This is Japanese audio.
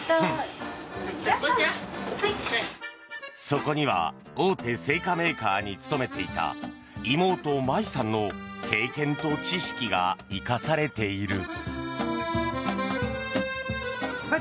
そこには大手製菓メーカーに勤めていた妹・舞さんの経験と知識が生かされている。